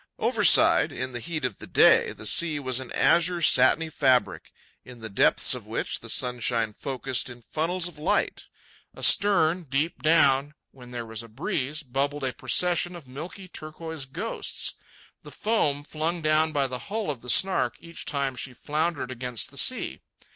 Overside, in the heat of the day, the sea was an azure satiny fabric, in the depths of which the sunshine focussed in funnels of light. Astern, deep down, when there was a breeze, bubbled a procession of milky turquoise ghosts—the foam flung down by the hull of the Snark each time she floundered against a sea.